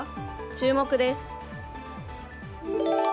注目です。